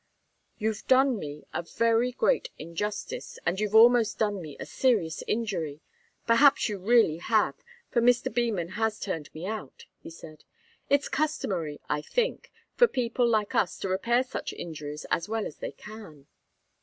"You've done me a very great injustice, and you've almost done me a serious injury perhaps you really have, for Mr. Beman has turned me out," he said. "It's customary, I think, for people like us to repair such injuries as well as they can."